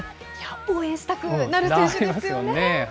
応援したくなる選手ですよね。